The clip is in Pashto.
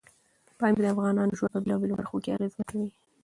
پامیر د افغانانو ژوند په بېلابېلو برخو کې اغېزمن کوي.